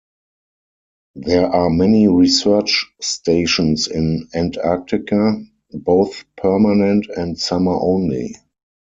There are many research stations in Antarctica, both permanent and summer only.